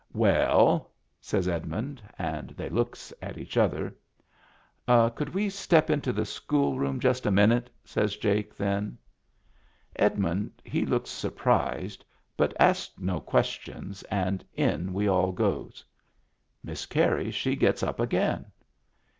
" Well ?" says Edmund. And they looks at each other. "Could we step into the school room just a minute ?" says Jake then. Edmund he looks surprised, but asks no ques tions, and in we all goes. Miss Carey she gets up again.